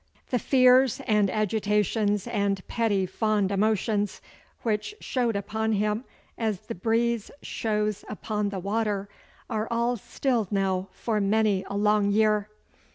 The fears and agitations and petty fond emotions, which showed upon him as the breeze shows upon the water, are all stilled now for many a long year.